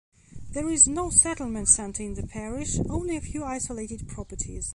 There is no settlement centre in the parish, only a few isolated properties.